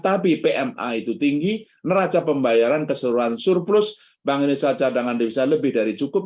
tapi pma itu tinggi neraca pembayaran keseluruhan surplus bank indonesia cadangan di indonesia lebih dari cukup